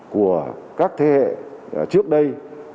của các thế hệ trước đây